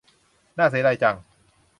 น่าเสียดายจัง